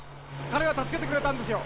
彼が助けてくれたんですよ。